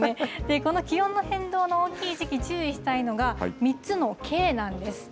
この気温の変動の大きい時期、注意したいのが、３つのＫなんです。